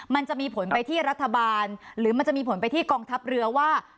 มันจะมีผลไปที่รัฐบาลหรือมันจะมีผลไปที่กองทัพเรือว่า